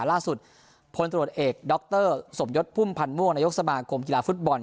ล่าสุดพลตรวจเอกดรสมยศพุ่มพันธ์ม่วงนายกสมาคมกีฬาฟุตบอล